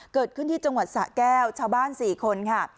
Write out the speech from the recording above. เกิดขึ้นที่จังหวัดสะแก้วชาวบ้าน๔คนค่ะ